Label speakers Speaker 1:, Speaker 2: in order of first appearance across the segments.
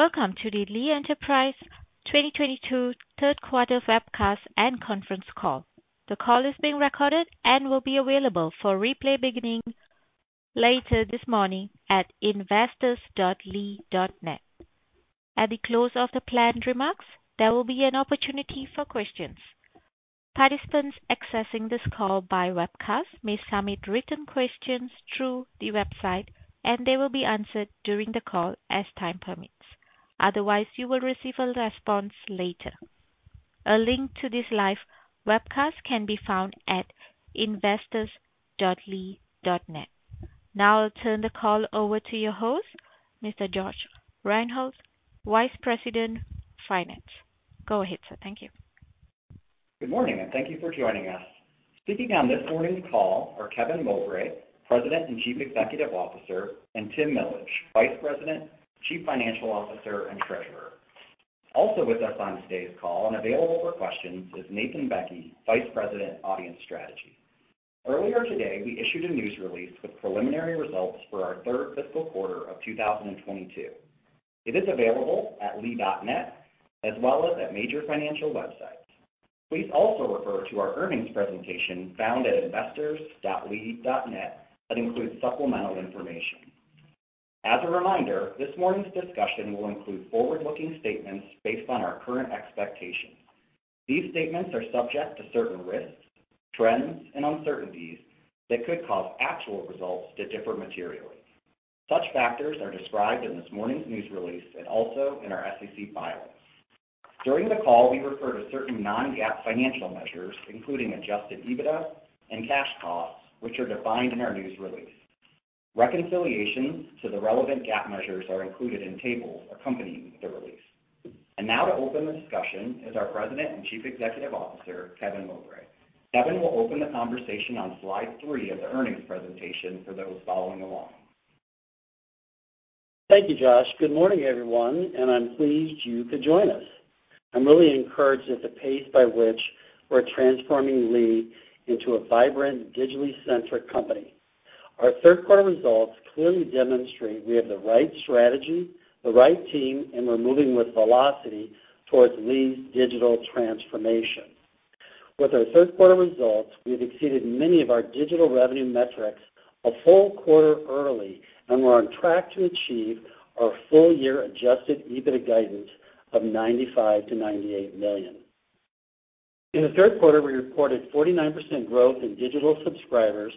Speaker 1: Welcome to the Lee Enterprises 2022 third quarter webcast and conference call. The call is being recorded and will be available for replay beginning later this morning at investors.lee.net. At the close of the planned remarks, there will be an opportunity for questions. Participants accessing this call by webcast may submit written questions through the website, and they will be answered during the call as time permits. Otherwise, you will receive a response later. A link to this live webcast can be found at investors.lee.net. Now I'll turn the call over to your host, Mr. Josh Rinehults, Vice President, Finance. Go ahead, sir. Thank you.
Speaker 2: Good morning, and thank you for joining us. Speaking on this morning's call are Kevin Mowbray, President and Chief Executive Officer, and Tim Millage, Vice President, Chief Financial Officer, and Treasurer. Also with us on today's call and available for questions is Nathan Bekke, Vice President, Audience Strategy. Earlier today, we issued a news release with preliminary results for our third fiscal quarter of 2022. It is available at lee.net as well as at major financial websites. Please also refer to our earnings presentation found at investors.lee.net that includes supplemental information. As a reminder, this morning's discussion will include forward-looking statements based on our current expectations. These statements are subject to certain risks, trends, and uncertainties that could cause actual results to differ materially. Such factors are described in this morning's news release and also in our SEC filings. During the call, we refer to certain non-GAAP financial measures, including Adjusted EBITDA and cash costs, which are defined in our news release. Reconciliations to the relevant GAAP measures are included in tables accompanying the release. Now to open the discussion is our President and Chief Executive Officer, Kevin Mowbray. Kevin will open the conversation on slide three of the earnings presentation for those following along.
Speaker 3: Thank you, Josh. Good morning, everyone, and I'm pleased you could join us. I'm really encouraged at the pace by which we're transforming Lee into a vibrant, digitally centric company. Our third quarter results clearly demonstrate we have the right strategy, the right team, and we're moving with velocity towards Lee's digital transformation. With our third quarter results, we have exceeded many of our digital revenue metrics a full quarter early, and we're on track to achieve our full year Adjusted EBITDA guidance of $95 million-$98 million. In the third quarter, we reported 49% growth in digital subscribers,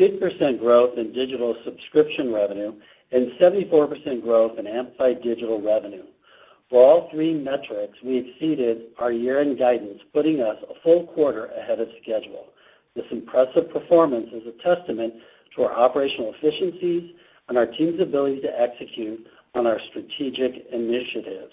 Speaker 3: 50% growth in digital subscription revenue, and 74% growth in Amplified Digital revenue. For all three metrics, we exceeded our year-end guidance, putting us a full quarter ahead of schedule. This impressive performance is a testament to our operational efficiencies and our team's ability to execute on our strategic initiatives.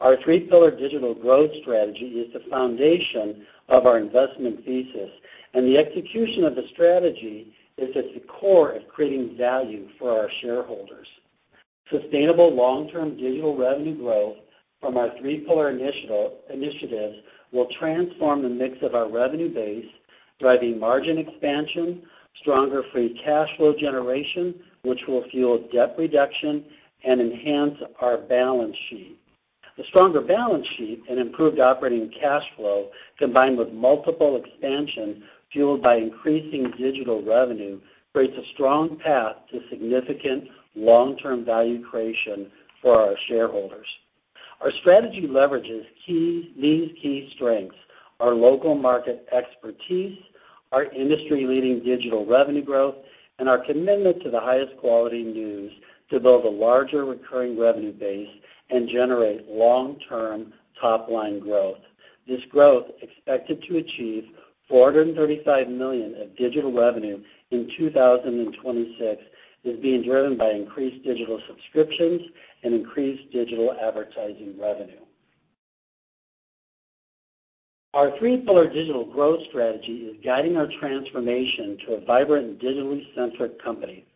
Speaker 3: Our Three-Pillar Digital Growth Strategy is the foundation of our investment thesis, and the execution of the strategy is at the core of creating value for our shareholders. Sustainable long-term digital revenue growth from our three-pillar initiatives will transform the mix of our revenue base, driving margin expansion, stronger free cash flow generation, which will fuel debt reduction and enhance our balance sheet. The stronger balance sheet and improved operating cash flow, combined with multiple expansion fueled by increasing digital revenue, creates a strong path to significant long-term value creation for our shareholders. Our strategy leverages Lee's key strengths, our local market expertise, our industry-leading digital revenue growth, and our commitment to the highest quality news to build a larger recurring revenue base and generate long-term top-line growth. This growth, expected to achieve $435 million of digital revenue in 2026, is being driven by increased digital subscriptions and increased digital advertising revenue. Our Three-Pillar Digital Growth Strategy is guiding our transformation to a vibrant and digitally centric company.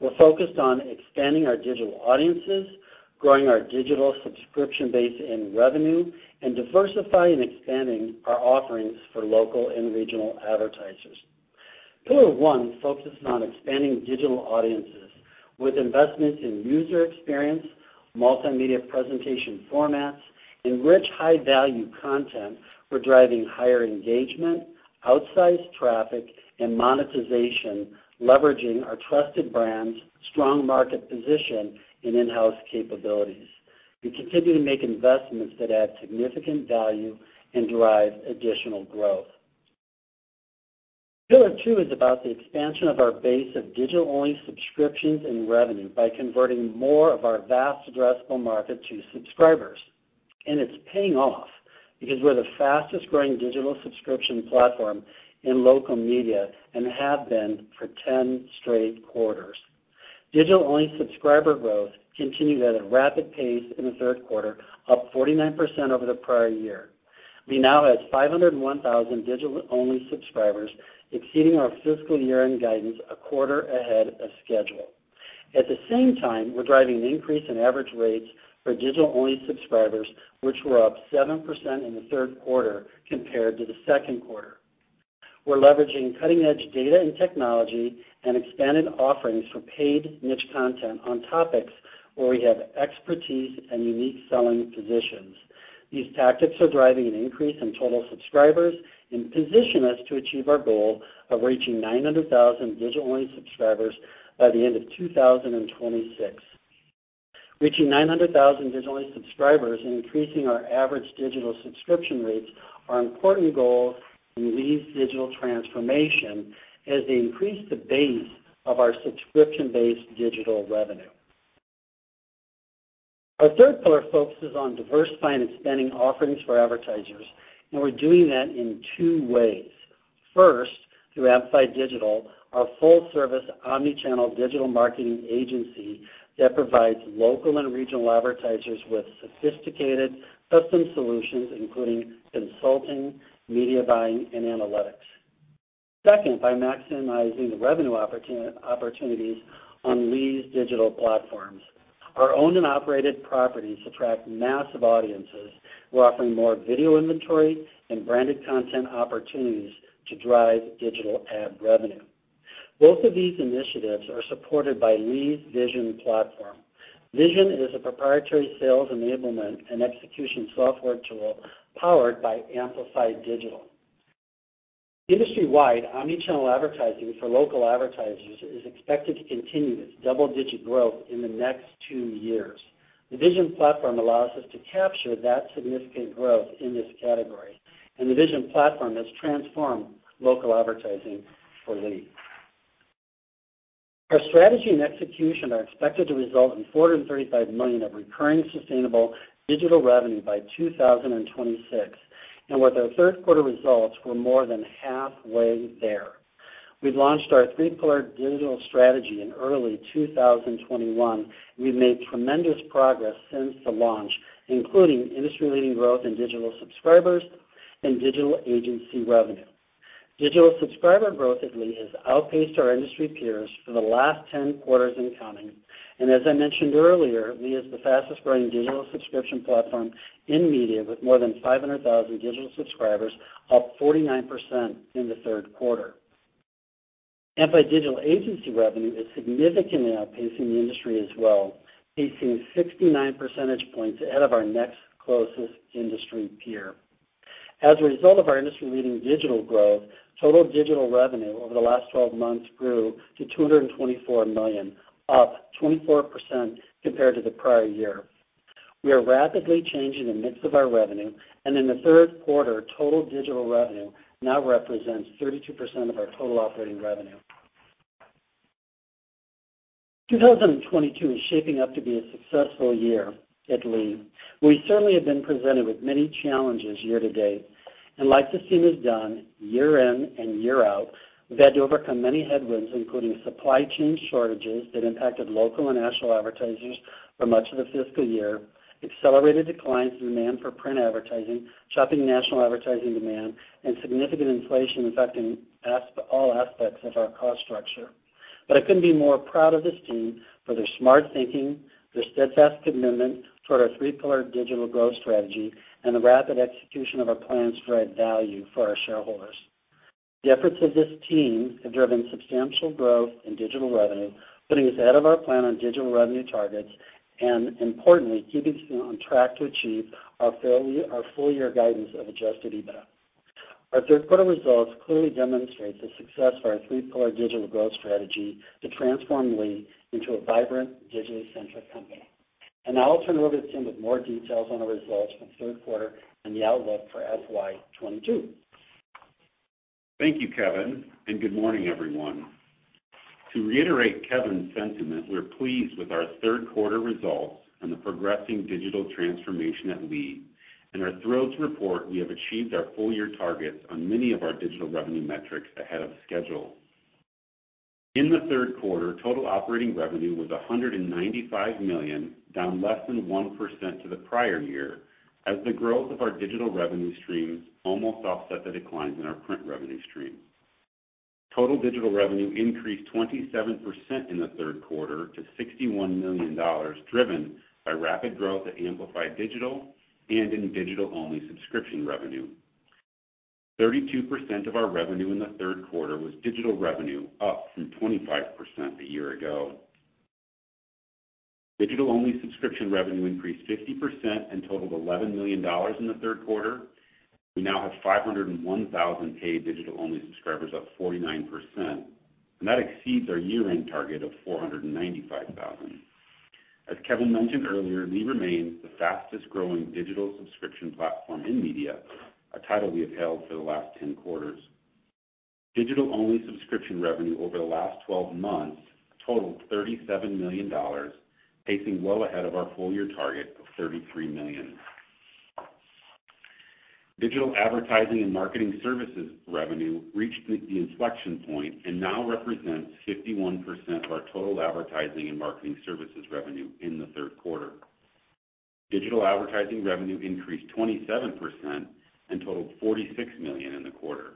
Speaker 3: We're focused on expanding our digital audiences, growing our digital subscription base and revenue, and diversifying and expanding our offerings for local and regional advertisers. Pillar one focuses on expanding digital audiences with investments in user experience, multimedia presentation formats, and rich, high-value content. We're driving higher engagement, outsized traffic, and monetization, leveraging our trusted brands, strong market position, and in-house capabilities. We continue to make investments that add significant value and drive additional growth. Pillar two is about the expansion of our base of digital-only subscriptions and revenue by converting more of our vast addressable market to subscribers. It's paying off because we're the fastest growing digital subscription platform in local media and have been for 10 straight quarters. Digital-only subscriber growth continued at a rapid pace in the third quarter, up 49% over the prior year. We now have 501,000 digital-only subscribers, exceeding our fiscal year-end guidance a quarter ahead of schedule. At the same time, we're driving an increase in average rates for digital-only subscribers, which were up 7% in the third quarter compared to the second quarter. We're leveraging cutting-edge data and technology and expanded offerings for paid niche content on topics where we have expertise and unique selling positions. These tactics are driving an increase in total subscribers and position us to achieve our goal of reaching 900,000 digital-only subscribers by the end of 2026. Reaching 900,000 digital-only subscribers and increasing our average digital subscription rates are important goals in Lee's digital transformation as they increase the base of our subscription-based digital revenue. Our third pillar focuses on diversifying and expanding offerings for advertisers, and we're doing that in two ways. First, through Amplified Digital, our full-service omnichannel digital marketing agency that provides local and regional advertisers with sophisticated custom solutions, including consulting, media buying, and analytics. Second, by maximizing the revenue opportunities on Lee's digital platforms. Our owned and operated properties attract massive audiences. We're offering more video inventory and branded content opportunities to drive digital ad revenue. Both of these initiatives are supported by Lee's Vision platform. Vision is a proprietary sales enablement and execution software tool powered by Amplified Digital. Industry-wide omnichannel advertising for local advertisers is expected to continue its double-digit growth in the next two years. The Vision platform allows us to capture that significant growth in this category, and the Vision platform has transformed local advertising for Lee. Our strategy and execution are expected to result in $435 million of recurring sustainable digital revenue by 2026. With our third quarter results, we're more than halfway there. We launched our three-pillar digital strategy in early 2021. We've made tremendous progress since the launch, including industry-leading growth in digital subscribers and digital agency revenue. Digital subscriber growth at Lee has outpaced our industry peers for the last 10 quarters and counting. As I mentioned earlier, Lee is the fastest-growing digital subscription platform in media, with more than 500,000 digital subscribers, up 49% in the third quarter. Amplified Digital agency revenue is significantly outpacing the industry as well, pacing 69 percentage points ahead of our next closest industry peer. As a result of our industry-leading digital growth, total digital revenue over the last 12 months grew to $224 million, up 24% compared to the prior year. We are rapidly changing the mix of our revenue, and in the third quarter, total digital revenue now represents 32% of our total operating revenue. 2022 is shaping up to be a successful year at Lee. We certainly have been presented with many challenges year-to-date, and like this team has done year in and year out, we've had to overcome many headwinds, including supply chain shortages that impacted local and national advertisers for much of the fiscal year, accelerated declines in demand for print advertising, chopping national advertising demand, and significant inflation affecting all aspects of our cost structure. I couldn't be more proud of this team for their smart thinking, their steadfast commitment toward our Three-Pillar Digital Growth Strategy, and the rapid execution of our plans to add value for our shareholders. The efforts of this team have driven substantial growth in digital revenue, putting us ahead of our plan on digital revenue targets and importantly, keeping us on track to achieve our full year guidance of Adjusted EBITDA. Our third quarter results clearly demonstrates the success of our Three-Pillar Digital Growth Strategy to transform Lee into a vibrant, digital-centric company. Now I'll turn it over to Tim with more details on our results from the third quarter and the outlook for FY22.
Speaker 4: Thank you, Kevin, and good morning, everyone. To reiterate Kevin's sentiment, we're pleased with our third quarter results and the progressing digital transformation at Lee, and are thrilled to report we have achieved our full year targets on many of our digital revenue metrics ahead of schedule. In the third quarter, total operating revenue was $195 million, down less than 1% to the prior year, as the growth of our digital revenue streams almost offset the declines in our print revenue streams. Total digital revenue increased 27% in the third quarter to $61 million, driven by rapid growth at Amplified Digital and in digital-only subscription revenue. 32% of our revenue in the third quarter was digital revenue, up from 25% a year ago. Digital-only subscription revenue increased 50% and totaled $11 million in the third quarter. We now have 501,000 paid digital-only subscribers, up 49%, and that exceeds our year-end target of 495,000. As Kevin mentioned earlier, Lee remains the fastest-growing digital subscription platform in media, a title we have held for the last 10 quarters. Digital-only subscription revenue over the last 12 months totaled $37 million, pacing well ahead of our full year target of $33 million. Digital advertising and marketing services revenue reached the inflection point and now represents 51% of our total advertising and marketing services revenue in the third quarter. Digital advertising revenue increased 27% and totaled $46 million in the quarter.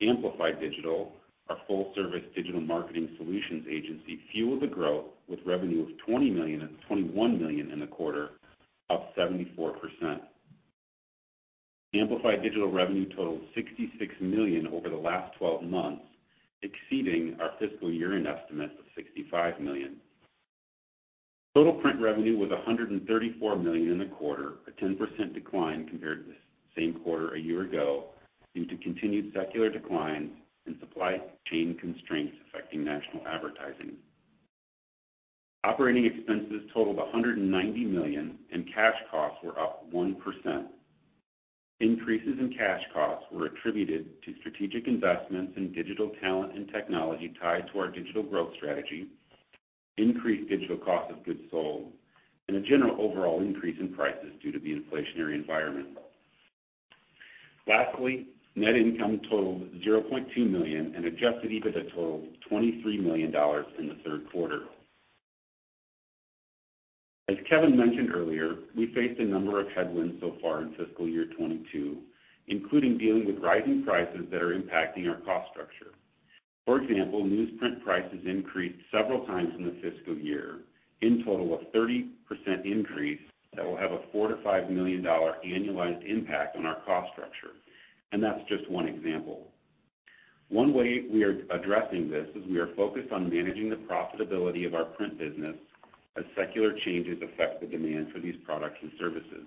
Speaker 4: Amplified Digital, our full-service digital marketing solutions agency, fueled the growth with revenue of $20 million and $21 million in the quarter up 74%. Amplified Digital revenue totaled $66 million over the last 12 months, exceeding our fiscal year-end estimate of $65 million. Total print revenue was $134 million in the quarter, a 10% decline compared to the same quarter a year ago due to continued secular declines and supply chain constraints affecting national advertising. Operating expenses totaled $190 million, and cash costs were up 1%. Increases in cash costs were attributed to strategic investments in digital talent and technology tied to our Digital Growth Strategy, increased digital cost of goods sold, and a general overall increase in prices due to the inflationary environment. Lastly, net income totaled $0.2 million, and Adjusted EBITDA totaled $23 million in the third quarter. As Kevin mentioned earlier, we faced a number of headwinds so far in fiscal year 2022, including dealing with rising prices that are impacting our cost structure. For example, newsprint prices increased several times in the fiscal year, in total, a 30% increase that will have a $4 million-$5 million annualized impact on our cost structure, and that's just one example. One way we are addressing this is we are focused on managing the profitability of our print business as secular changes affect the demand for these products and services.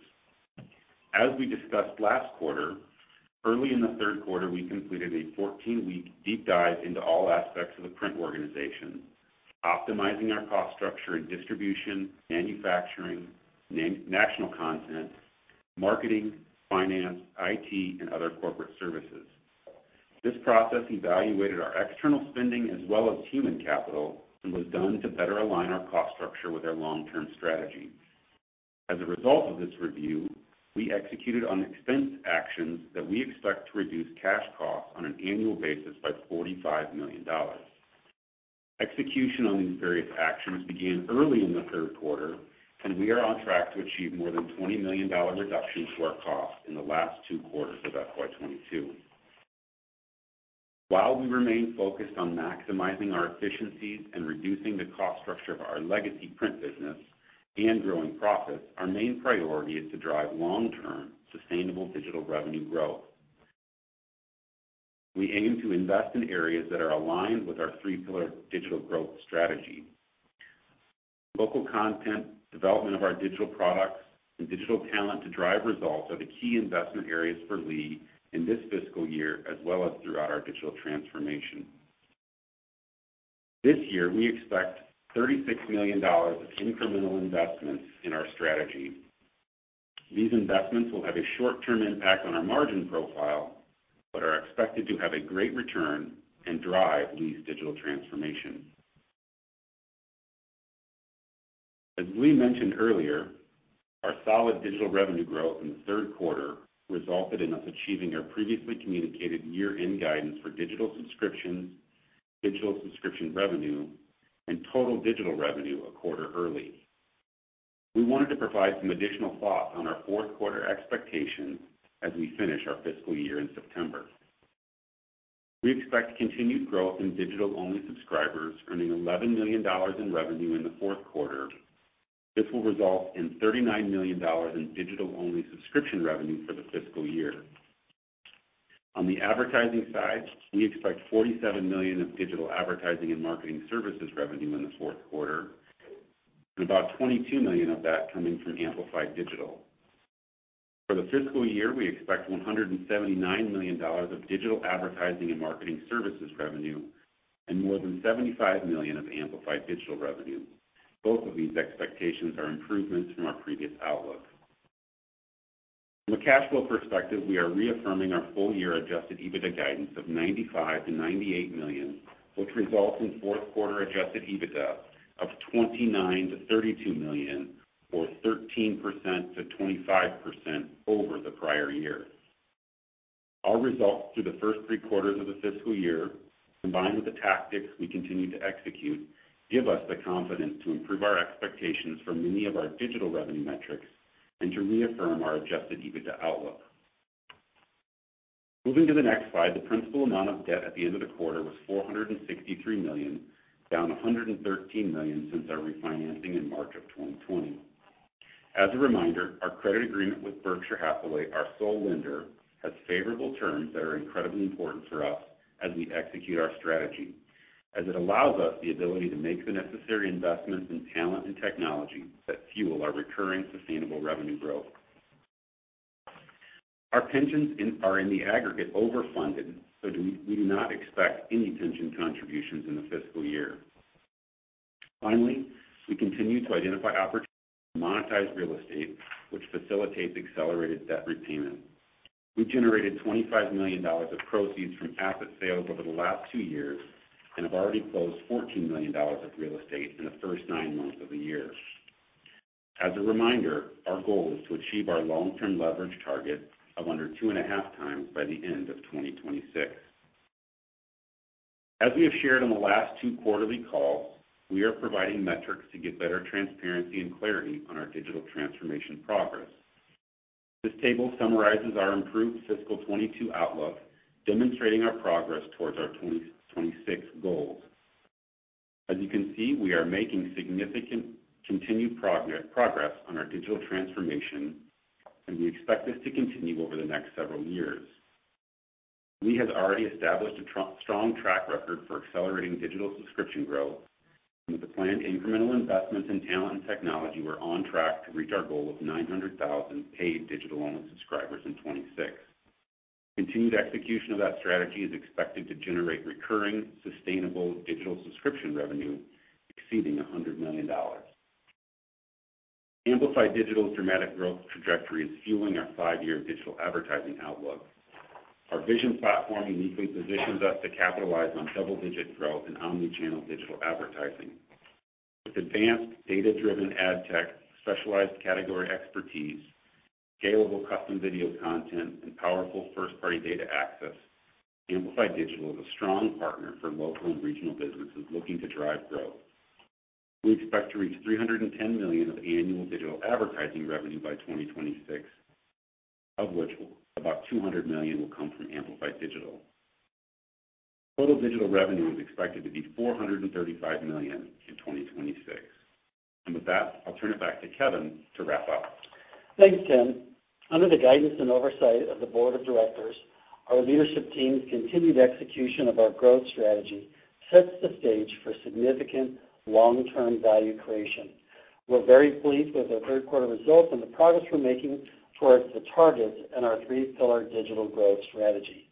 Speaker 4: As we discussed last quarter, early in the third quarter, we completed a 14-week deep dive into all aspects of the print organization, optimizing our cost structure and distribution, manufacturing, national content, marketing, finance, IT, and other corporate services. This process evaluated our external spending as well as human capital and was done to better align our cost structure with our long-term strategy. As a result of this review, we executed on expense actions that we expect to reduce cash costs on an annual basis by $45 million. Execution on these various actions began early in the third quarter, and we are on track to achieve more than $20 million dollar reduction to our cost in the last two quarters of FY 2022. While we remain focused on maximizing our efficiencies and reducing the cost structure of our legacy print business and growing profits, our main priority is to drive long-term sustainable digital revenue growth. We aim to invest in areas that are aligned with our Three-Pillar Digital Growth Strategy. Local content, development of our digital products, and digital talent to drive results are the key investment areas for Lee in this fiscal year as well as throughout our digital transformation. This year, we expect $36 million of incremental investments in our strategy. These investments will have a short-term impact on our margin profile, but are expected to have a great return and drive Lee's digital transformation. As Lee mentioned earlier, our solid digital revenue growth in the third quarter resulted in us achieving our previously communicated year-end guidance for digital subscriptions, digital subscription revenue, and total digital revenue a quarter early. We wanted to provide some additional thoughts on our fourth quarter expectations as we finish our fiscal year in September. We expect continued growth in digital-only subscribers earning $11 million in revenue in the fourth quarter. This will result in $39 million in digital-only subscription revenue for the fiscal year. On the advertising side, we expect $47 million of digital advertising and marketing services revenue in the fourth quarter, and about $22 million of that coming from Amplified Digital. For the fiscal year, we expect $179 million of digital advertising and marketing services revenue and more than $75 million of Amplified Digital revenue. Both of these expectations are improvements from our previous outlook. From a cash flow perspective, we are reaffirming our full year Adjusted EBITDA guidance of $95 million-$98 million, which results in fourth quarter Adjusted EBITDA of $29 million-$32 million, or 13%-25% over the prior year. Our results through the first three quarters of the fiscal year, combined with the tactics we continue to execute, give us the confidence to improve our expectations for many of our digital revenue metrics and to reaffirm our Adjusted EBITDA outlook. Moving to the next slide, the principal amount of debt at the end of the quarter was $463 million, down $113 million since our refinancing in March of 2020. As a reminder, our credit agreement with Berkshire Hathaway, our sole lender, has favorable terms that are incredibly important for us as we execute our strategy, as it allows us the ability to make the necessary investments in talent and technology that fuel our recurring sustainable revenue growth. Our pensions are in the aggregate overfunded, so we do not expect any pension contributions in the fiscal year. Finally, we continue to identify opportunities to monetize real estate, which facilitates accelerated debt repayment. We generated $25 million of proceeds from asset sales over the last two years and have already closed $14 million of real estate in the first nine months of the year. As a reminder, our goal is to achieve our long-term leverage target of under 2.5 times by the end of 2026. As we have shared on the last two quarterly calls, we are providing metrics to give better transparency and clarity on our digital transformation progress. This table summarizes our improved fiscal 2022 outlook, demonstrating our progress towards our 2026 goals. As you can see, we are making significant continued progress on our digital transformation, and we expect this to continue over the next several years. Lee has already established a strong track record for accelerating digital subscription growth. With the planned incremental investments in talent and technology, we're on track to reach our goal of 900,000 paid digital-only subscribers in 2026. Continued execution of that strategy is expected to generate recurring, sustainable digital subscription revenue exceeding $100 million. Amplified Digital's dramatic growth trajectory is fueling our five-year digital advertising outlook. Our Vision platform uniquely positions us to capitalize on double-digit growth in omnichannel digital advertising. With advanced data-driven ad tech, specialized category expertise, scalable custom video content, and powerful first-party data access, Amplified Digital is a strong partner for local and regional businesses looking to drive growth. We expect to reach $310 million of annual digital advertising revenue by 2026, of which about $200 million will come from Amplified Digital. Total digital revenue is expected to be $435 million in 2026. With that, I'll turn it back to Kevin to wrap up.
Speaker 3: Thanks, Tim. Under the guidance and oversight of the board of directors, our leadership team's continued execution of our growth strategy sets the stage for significant long-term value creation. We're very pleased with our third quarter results and the progress we're making towards the targets in our Three-Pillar Digital Growth Strategy.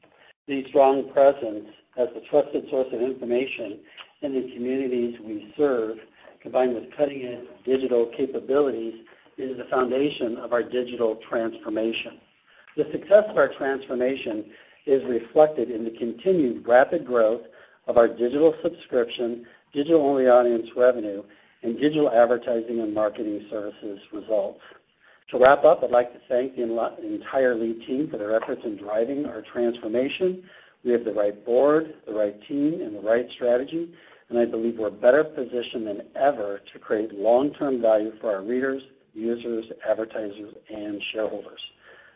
Speaker 3: The strong presence as the trusted source of information in the communities we serve, combined with cutting-edge digital capabilities, is the foundation of our digital transformation. The success of our transformation is reflected in the continued rapid growth of our digital subscription, digital-only audience revenue, and digital advertising and marketing services results. To wrap up, I'd like to thank the entire lead team for their efforts in driving our transformation. We have the right board, the right team, and the right strategy, and I believe we're better positioned than ever to create long-term value for our readers, users, advertisers, and shareholders.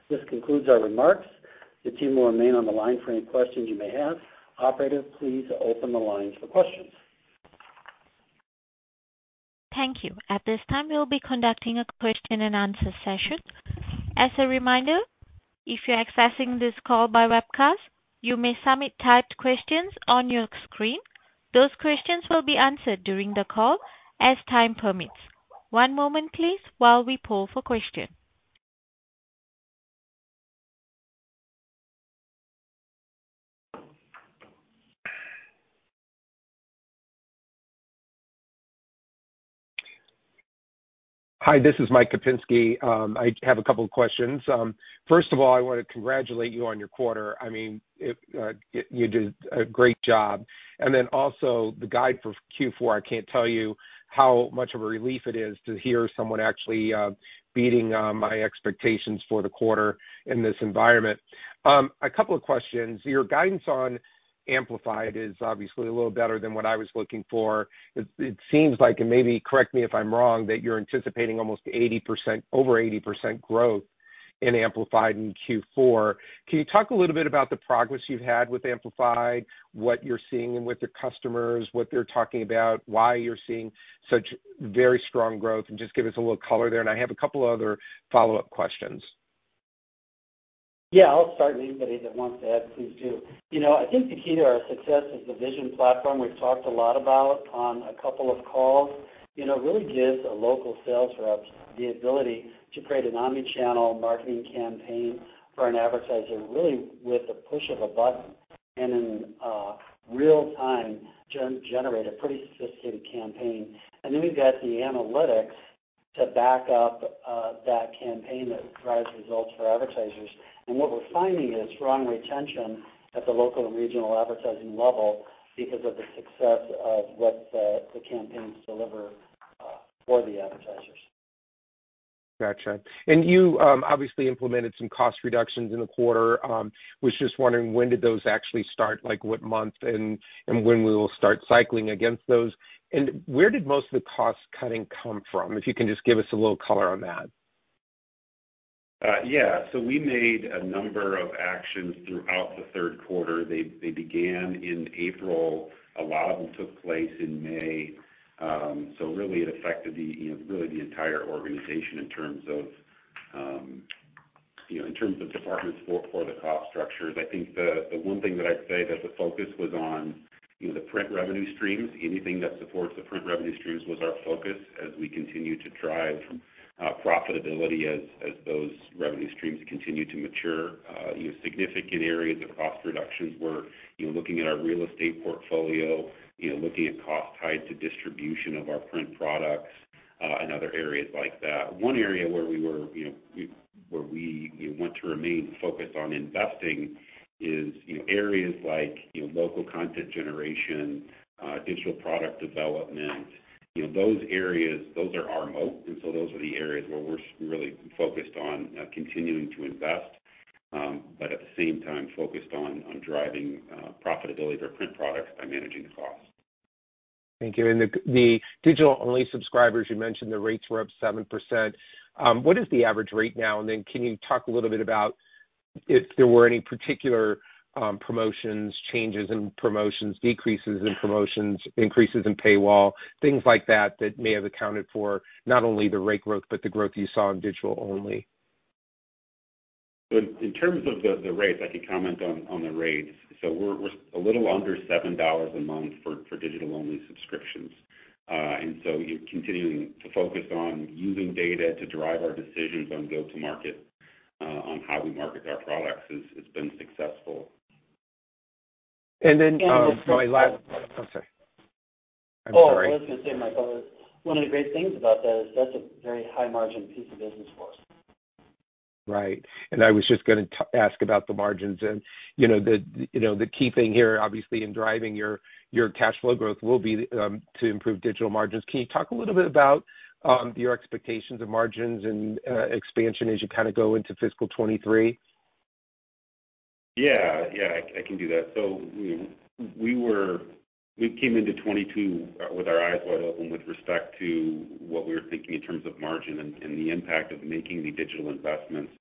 Speaker 3: This concludes our remarks. The team will remain on the line for any questions you may have. Operator, please open the lines for questions.
Speaker 1: Thank you. At this time, we will be conducting a question-and-answer session. As a reminder, if you're accessing this call by webcast, you may submit typed questions on your screen. Those questions will be answered during the call as time permits. One moment, please, while we poll for questions.
Speaker 5: Hi, this is Mike Kupinski. I have a couple of questions. First of all, I wanna congratulate you on your quarter. I mean, you did a great job. Also the guide for Q4, I can't tell you how much of a relief it is to hear someone actually beating my expectations for the quarter in this environment. A couple of questions. Your guidance on Amplified is obviously a little better than what I was looking for. It seems like, and maybe correct me if I'm wrong, that you're anticipating almost 80%, over 80% growth in Amplified in Q4. Can you talk a little bit about the progress you've had with Amplified, what you're seeing with the customers, what they're talking about, why you're seeing such very strong growth, and just give us a little color there. I have a couple other follow-up questions.
Speaker 3: Yeah, I'll start and anybody that wants to add, please do. You know, I think the key to our success is the Vision platform we've talked a lot about on a couple of calls. You know, it really gives our local sales reps the ability to create an omnichannel marketing campaign for an advertiser, really with the push of a button, and in real-time, generate a pretty sophisticated campaign. We've got the analytics to back up that campaign that drives results for advertisers. What we're finding is strong retention at the local and regional advertising level because of the success of what the campaigns deliver for the advertisers.
Speaker 5: Gotcha. You obviously implemented some cost reductions in the quarter. Was just wondering when did those actually start, like what month and when we will start cycling against those? Where did most of the cost cutting come from? If you can just give us a little color on that.
Speaker 4: Yeah. We made a number of actions throughout the third quarter. They began in April. A lot of them took place in May. Really it affected the you know really the entire organization in terms of you know in terms of departments for the cost structures. I think the one thing that I'd say that the focus was on you know the print revenue streams. Anything that supports the print revenue streams was our focus as we continue to drive profitability as those revenue streams continue to mature. You know significant areas of cost reductions were you know looking at our real estate portfolio you know looking at cost tied to distribution of our print products and other areas like that. One area where we want to remain focused on investing is, you know, areas like local content generation, digital product development. You know, those areas are our moat, and those are the areas where we're really focused on continuing to invest. At the same time, focused on driving profitability for print products by managing the cost.
Speaker 5: Thank you. The digital-only subscribers, you mentioned the rates were up 7%. What is the average rate now? Then can you talk a little bit about if there were any particular promotions, changes in promotions, decreases in promotions, increases in paywall, things like that that may have accounted for not only the rate growth but the growth you saw in digital-only.
Speaker 4: In terms of the rates, I can comment on the rates. We're a little under $7 a month for digital-only subscriptions. You're continuing to focus on using data to drive our decisions on go-to-market, on how we market our products. It's been successful.
Speaker 5: Oh, sorry. I'm sorry.
Speaker 3: Oh, I was gonna say, Michael, one of the great things about that is that's a very high margin piece of business for us.
Speaker 5: Right. I was just gonna ask about the margins. You know, the key thing here, obviously, in driving your cash flow growth will be to improve digital margins. Can you talk a little bit about your expectations of margins and expansion as you kinda go into fiscal 2023?
Speaker 4: Yeah. I can do that. You know, we came into 2022 with our eyes wide open with respect to what we were thinking in terms of margin and the impact of making the digital investments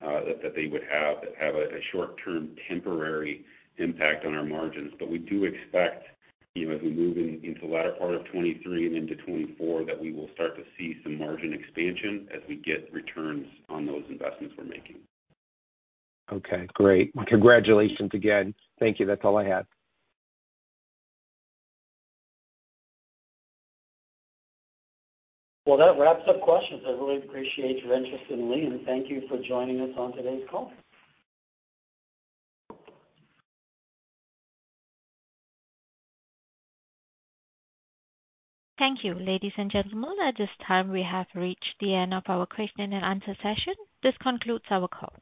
Speaker 4: that they would have a short term temporary impact on our margins. We do expect, you know, as we move into the latter part of 2023 and into 2024, that we will start to see some margin expansion as we get returns on those investments we're making.
Speaker 5: Okay, great. Congratulations again. Thank you. That's all I had.
Speaker 3: Well, that wraps up questions. I really appreciate your interest in Lee, and thank you for joining us on today's call.
Speaker 1: Thank you, ladies and gentlemen. At this time, we have reached the end of our question-and-answer session. This concludes our call.